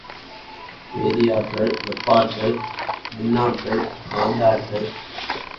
வேதியாற்றல், வெப்பஆற்றல், மின்னாற்றல், காந்தஆற்றல்.